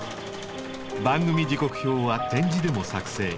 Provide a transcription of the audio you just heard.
番組時刻表は点字でも作成。